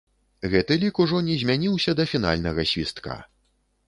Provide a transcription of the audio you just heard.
Гэты лік ужо не змяніўся да фінальнага свістка.